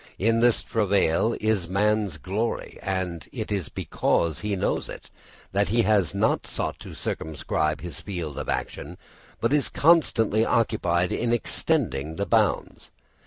In this travail is man's glory, and it is because he knows it, that he has not sought to circumscribe his field of action, but is constantly occupied in extending the bounds.